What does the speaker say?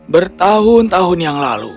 bertahun tahun yang lalu